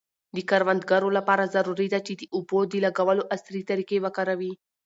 د کروندګرو لپاره ضروري ده چي د اوبو د لګولو عصري طریقې وکاروي.